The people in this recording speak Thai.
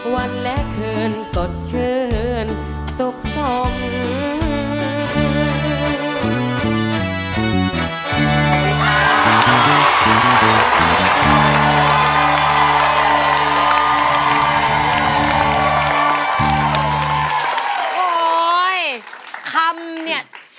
วันและคืนสดชื่นสุข